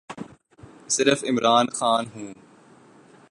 صرف عمران خان ہوں۔